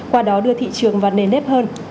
qua đó đưa thị trường vào nền nếp hơn